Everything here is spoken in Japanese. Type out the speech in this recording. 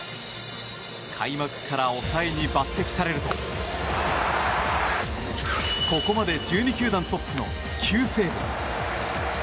開幕から抑えに抜擢されるとここまで１２球団トップの９セーブ。